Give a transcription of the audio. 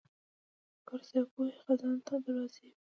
کورس د پوهې خزانې ته دروازه ده.